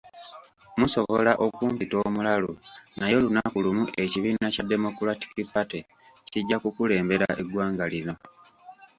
Musobola okumpita omulalu naye olunaku lumu ekibiina kya Democratic Party kijja kukulembera eggwanga lino.